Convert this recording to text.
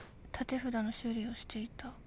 「立て札の修理をしていた。